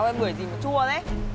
em bưởi gì mà chua thế